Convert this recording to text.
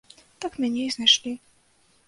Так мяне і знайшлі.